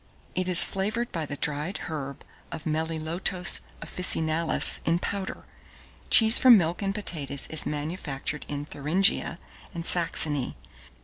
It is flavoured by the dried herb of Melilotos officinalis in powder. Cheese from milk and potatoes is manufactured in Thuringia and Saxony.